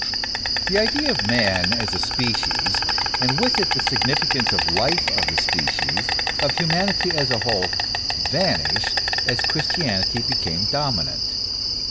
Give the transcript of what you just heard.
THE idea of man as a species, and with it the significance of the life of the species, of humanity as a whole, vanished as Christianity became dominant.